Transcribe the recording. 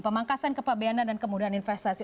pemangkasan kepabeanan dan kemudahan investasi